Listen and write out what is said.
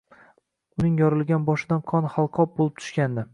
Uning yorilgan boshidan qon halqob bo`lib tushgandi